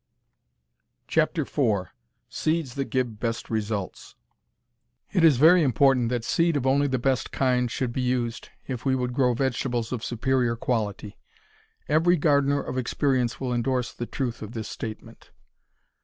IV SEEDS THAT GIVE BEST RESULTS It is very important that seed of only the best kind should be used, if we would grow vegetables of superior quality. Every gardener of experience will indorse the truth of this statement.